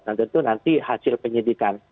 nah tentu nanti hasil penyidikan